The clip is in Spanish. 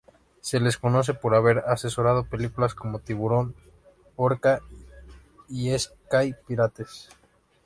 Se les conoce por haber asesorado películas como "Tiburón", "Orca" y "Sky Pirates".